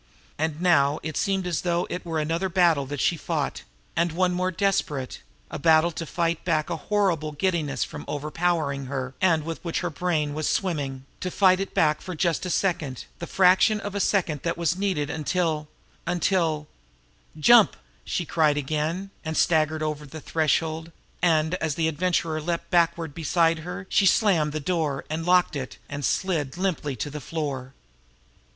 And now it seemed as though it were another battle that she fought and one more desperate; a battle to fight back a horrible giddiness from overpowering her, and with which her brain was swimming, to fight it back for just a second, the fraction of a second that was needed until until "Jump!" she cried again, and staggered over the threshold, and, as the Adventurer leaped backward beside her, she slammed the door, and locked it and slid limply to the floor.